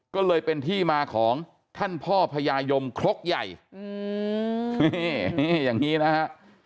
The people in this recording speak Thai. ก็เลยเป็นที่มาของท่านพ่อพญายมครกใหญ่นี่อย่างนี้นะฮะ